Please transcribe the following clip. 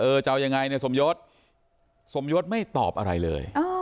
จะเอายังไงเนี่ยสมยศสมยศไม่ตอบอะไรเลย